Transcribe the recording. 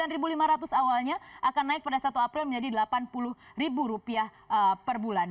rp sembilan lima ratus awalnya akan naik pada satu april menjadi rp delapan puluh per bulan